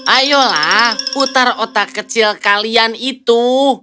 ayolah putar otak kecil kalian itu